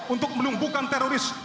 untuk melumpuhkan teroris